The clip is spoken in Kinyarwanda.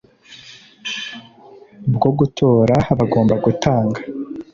bwo gutora bagomba gutanga